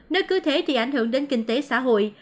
nơi cứ thế thì ảnh hưởng đến kinh tế xã hội